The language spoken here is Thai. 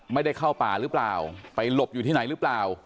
เข้าป่าหรือเปล่าไปหลบอยู่ที่ไหนหรือเปล่า